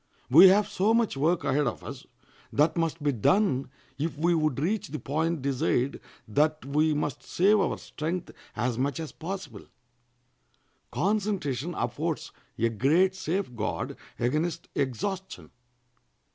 We have so much work ahead of us that must be done if we would reach the point desired that we must save our strength as much as possible. Concentration affords a great safe guard against exhaustion.